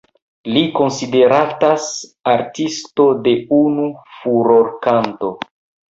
Li konsideratas Artisto de unu furorkanto.